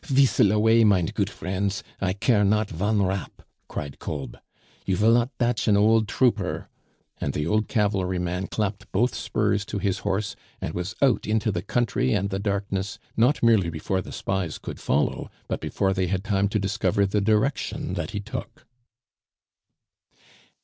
"Veestle avay, mind goot vriends! I care not von rap," cried Kolb. "You vill not datch an old trooper," and the old cavalry man clapped both spurs to his horse, and was out into the country and the darkness not merely before the spies could follow, but before they had time to discover the direction that he took.